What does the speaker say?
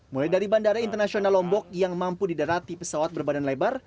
mulai dari bandara internasional lombok yang mampu didarati pesawat berbadan lebar